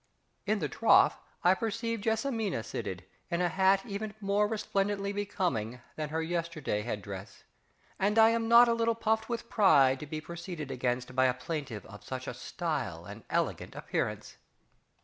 In the trough I perceive JESSIMINA seated, in a hat even more resplendently becoming than her yesterday head dress, and I am not a little puffed with pride to be proceeded against by a plaintiff of such a stylish and elegant appearance.